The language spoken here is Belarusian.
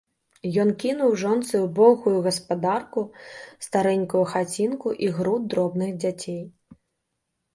Ён кінуў жонцы ўбогую гаспадарку, старэнькую хацінку і груд дробных дзяцей.